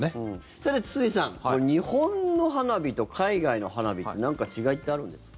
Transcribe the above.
さて、堤さん日本の花火と海外の花火ってなんか違いってあるんですか？